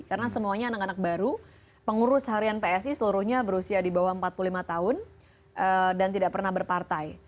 karena semuanya anak anak baru pengurus harian psi seluruhnya berusia di bawah empat puluh lima tahun dan tidak pernah berpartai